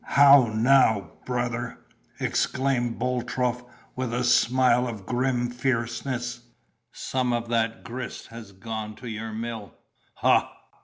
"How now, brother!" exclaimed Boltrope, with a smile of grim fierceness; "some of that grist has gone to your mill, ha!"